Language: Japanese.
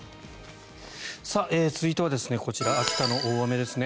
続いてはこちら秋田の大雨です。